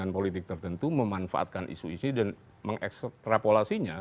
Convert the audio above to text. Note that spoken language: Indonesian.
kekuatan politik tertentu memanfaatkan isu isu dan mengekstrapolasinya